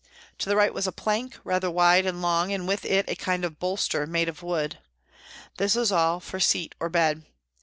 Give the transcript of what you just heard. To the right was a plank, rather wide and long, and with a kind of bolster made of wood. This was all for seat or bed.